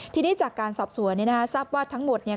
ทีนี้จากการสอบสวนเนี่ยนะฮะทราบว่าทั้งหมดเนี่ย